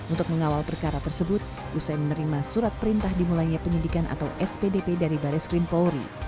untuk mengawal perkara tersebut usai menerima surat perintah dimulainya penyidikan atau spdp dari baris krim polri